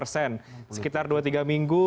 sekitar dua tiga minggu